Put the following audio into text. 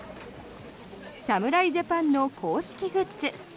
侍ジャパンの公式グッズ。